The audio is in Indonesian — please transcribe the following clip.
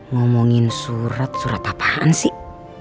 ngomongin surat surat apaan sih